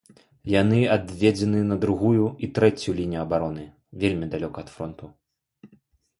Яны адведзены на другую і трэцюю лінію абароны, вельмі далёка ад фронту.